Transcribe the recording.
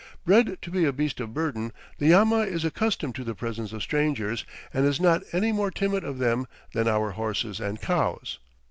Bred to be a beast of burden, the llama is accustomed to the presence of strangers and is not any more timid of them than our horses and cows.